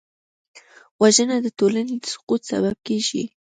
وژنه د ټولنې د سقوط سبب کېږي